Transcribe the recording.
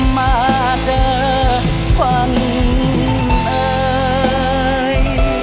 มาเดินควันเอย